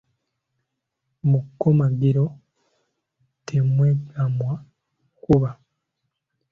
Mu kkomagiro temweggamwa nkuba.